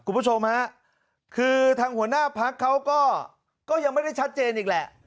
คุณผู้ชมฮะคือทางหัวหน้าพักเขาก็ยังไม่ได้ชัดเจนอีกแหละ